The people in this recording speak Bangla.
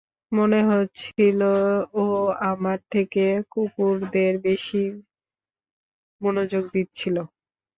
মনে হচ্ছিলো ও আমার থেকে কুকুরদের দিকে বেশি মনোযোগ দিচ্ছিলো।